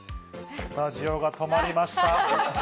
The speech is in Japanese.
スタジオが止まりました。